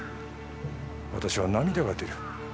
私は涙が出る。